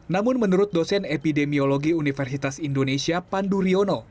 namun menurut dosen epidemiologi universitas indonesia pandu riono